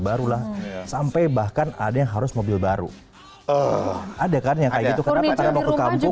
baru lah sampai bahkan ada yang harus mobil baru aduh ada karena kayak gitu karena waktu kamu kamu